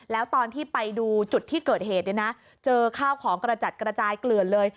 แล้วตอนที่ไปดูจุดที่เกิดเหตุเนี่ยนะเจอข้าวของกระจัดกระจายเกลือนเลย